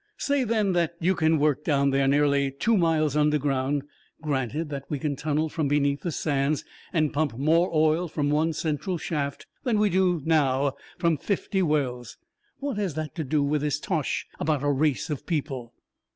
"Say, then, that you can work down there, nearly two miles underground; granted that we can tunnel from beneath the sands and pump more oil from one central shaft than we now do from fifty wells what has that to do with this tosh about a race of people?"